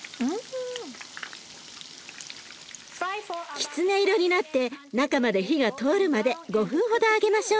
きつね色になって中まで火が通るまで５分ほど揚げましょう。